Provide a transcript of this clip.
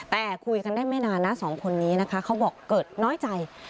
แต่คุยกันได้ไม่นานนะสองคนนี้นะคะเขาบอกเกิดน้อยใจ